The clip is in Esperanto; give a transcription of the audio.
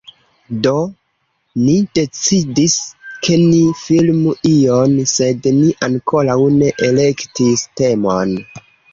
Do, ni decidis ke ni filmu ion sed ni ankoraŭ ne elektis temon